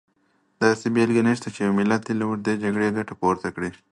داسې بېلګه نشته چې یو ملت دې له اوږدې جګړې ګټه پورته کړي.